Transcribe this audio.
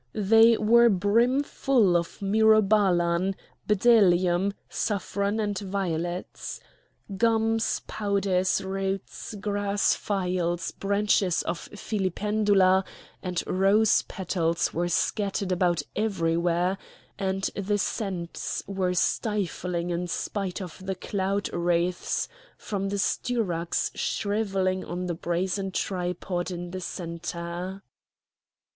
They were brimful of myrobalan, bdellium, saffron, and violets. Gums, powders, roots, glass phials, branches of filipendula, and rose petals were scattered about everywhere, and the scents were stifling in spite of the cloud wreaths from the styrax shrivelling on a brazen tripod in the centre.